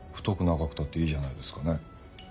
太く長くたっていいじゃないですかね？